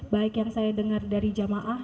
baik yang saya dengar dari jamaah